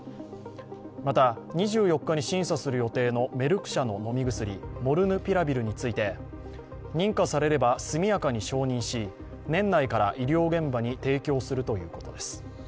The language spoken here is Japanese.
また２４日に審査する予定のメルク社の飲み薬モルヌピラビルについて認可されれば速やかに承認し、年内から医療現場に提供するということです。